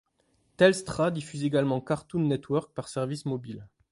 Telstra diffuse également Cartoon Network par service mobile.